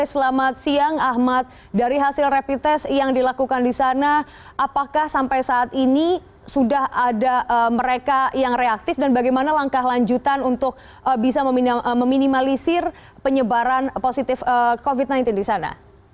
selamat siang ahmad dari hasil rapid test yang dilakukan di sana apakah sampai saat ini sudah ada mereka yang reaktif dan bagaimana langkah lanjutan untuk bisa meminimalisir penyebaran positif covid sembilan belas di sana